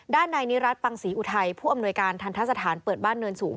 ด้านในนิรัติปังศรีอุทัยผู้อำนวยการทันทะสถานเปิดบ้านเนินสูง